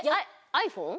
ｉＰｈｏｎｅ？